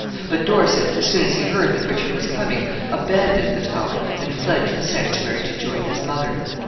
But Dorset, as soon as he heard that Richard was coming, abandoned the Tower, and fled to the sanctuary to join his mother.